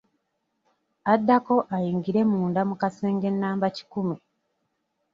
Addako ayingire munda mu kasenge namba kikumi.